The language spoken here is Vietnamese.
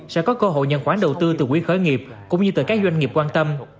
sẽ có cơ hội nhận khoản đầu tư từ quỹ khởi nghiệp cũng như từ các doanh nghiệp quan tâm